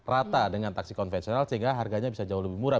rata dengan taksi konvensional sehingga harganya bisa jauh lebih murah